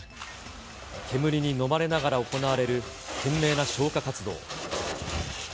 煙に飲まれながら行われる懸命な消火活動。